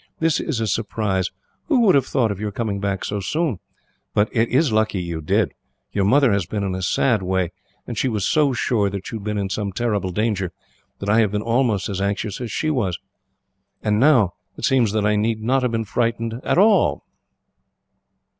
This is a surprise. Who would have thought of your coming back so soon? But it is lucky you did. Your mother has been in a sad way, and she was so sure that you had been in some terrible danger, that I have been almost as anxious as she has. And now, it seems that I need not have frightened myself at all."